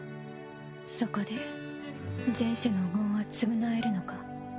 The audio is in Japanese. そこで前世の業は償えるのか？